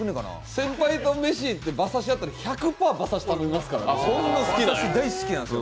先輩と飯行って馬刺しあったら１００％馬刺し食べますからね、大好きなんで。